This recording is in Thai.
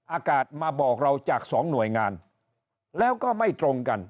อากาศมาบอกเราจากสองหน่วยงานแล้วก็ไม่ตรงกัน